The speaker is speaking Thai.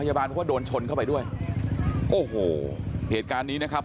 พยาบาลเพราะว่าโดนชนเข้าไปด้วยโอ้โหเหตุการณ์นี้นะครับ